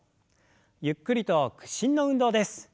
ゆっくりと屈伸の運動です。